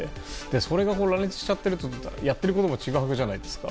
それが乱立しちゃってるとやってることもちぐはぐじゃないですか。